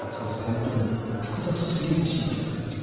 本当に複雑すぎる地域であるという。